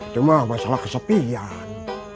cuma masalah kesepian